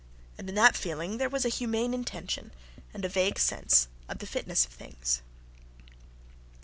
And in that feeling there was a humane intention and a vague sense of the fitness of things.